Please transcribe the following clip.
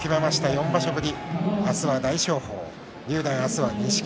４場所ぶり。